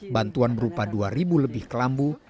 bantuan berupa dua lebih kelambu